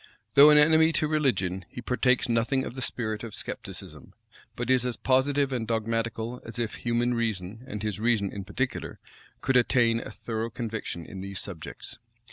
Though an enemy to religion, he partakes nothing of the spirit of scepticism; but is as positive and dogmatical as if human reason, and his reason in particular, could attain a thorough conviction in these subjects.